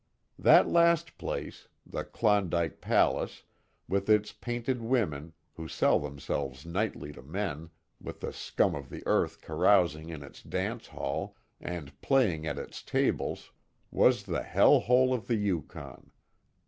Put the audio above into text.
That last place, The Klondike Palace; with its painted women, who sell themselves nightly to men, with the scum of the earth carousing in its dance hall, and playing at its tables, was the hell hole of the Yukon.